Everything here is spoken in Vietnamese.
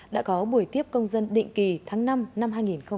đã có buổi tiếp công dân định kỳ tháng năm năm hai nghìn hai mươi